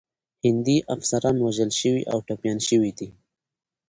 هندي افسران وژل شوي او ټپیان شوي دي.